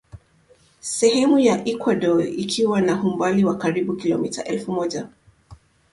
sehemu ya Ekuador ikiwa na umbali wa karibu kilomita elfu moja